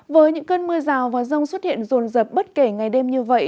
với những cơn mưa rào và rông xuất hiện rồn rập bất kể ngày đêm như vậy